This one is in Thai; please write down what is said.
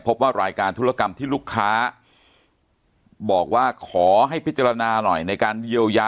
พบว่ารายการธุรกรรมที่ลูกค้าบอกว่าขอให้พิจารณาหน่อยในการเยียวยา